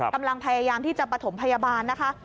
กำลังพยายามที่จะประถมพยาบาลนะคะ